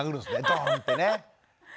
ドーンってね。